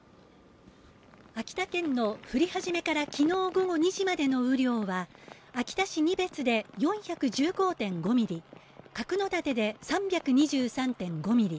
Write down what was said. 秋田県の降り始めから昨日午後２時までの雨量は秋田市仁別で４１５．５ミリ、角館で３２３．５ミリ